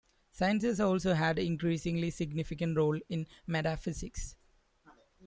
Science has also had an increasingly significant role in metaphysics.